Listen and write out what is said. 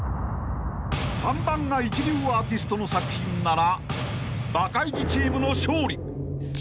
［３番が一流アーティストの作品ならバカイジチームの勝利］